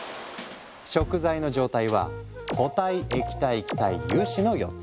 食材の状態は固体液体気体油脂の４つ。